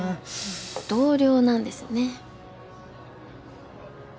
同僚なんですね。